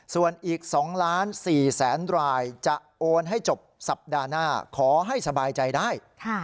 ส่วนอีก๒ล้าน๔แสนรายจะโอนให้จบสัปดาห์หน้าขอให้สบายใจได้